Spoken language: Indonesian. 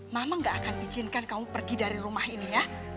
mama gak akan izinkan kamu pergi dari rumah ini ya